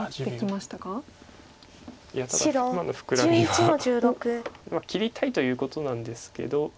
まあ切りたいということなんですけど。